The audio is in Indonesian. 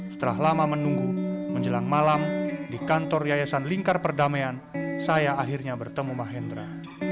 setelah lama menunggu menjelang malam di kantor yayasan lingkar perdamaian saya akhirnya bertemu mahendra